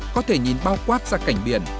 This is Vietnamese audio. có thể nhìn bao quát ra cảnh biển